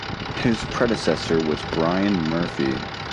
His predecessor was Brian Murphy.